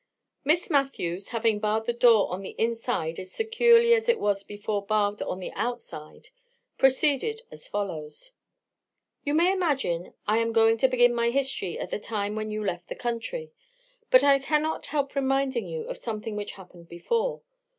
_ Miss Matthews, having barred the door on the inside as securely as it was before barred on the outside, proceeded as follows: "You may imagine I am going to begin my history at the time when you left the country; but I cannot help reminding you of something which happened before.